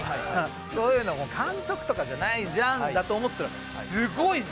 「そういうの監督とかじゃないじゃん」だと思ったらすごいね！